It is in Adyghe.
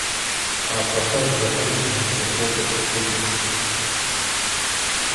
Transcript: Тхьапэхэр бжыхьэм плъыжьыбзэхэу дэхэ дэдэх.